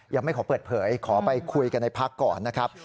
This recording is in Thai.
ยังไม่ขอเปิดเผยขอไปคุยกันในพักก่อนนะครับ